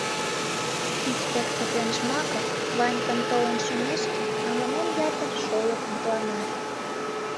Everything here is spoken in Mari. Инспектор ден Жмаков, Ванькан толын шумешке, ала-мом ятыр шолып мутланат.